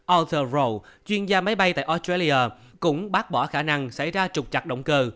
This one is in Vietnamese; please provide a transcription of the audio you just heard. arthur rowe chuyên gia máy bay tại australia cũng bác bỏ khả năng xảy ra trục chặt động cơ